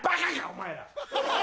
お前ら。